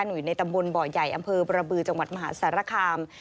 อยู่ในตำบลบ่อใหญ่อำเภอบรบือจังหวัดมหาสารคาม